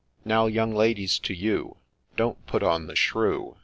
Now young ladies, to you !— Don't put on the shrew